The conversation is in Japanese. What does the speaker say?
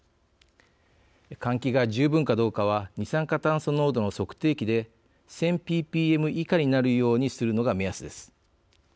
換気が十分かどうかは二酸化炭素濃度の測定器で１０００ｐｐｍ以下になるようにするのが目安です。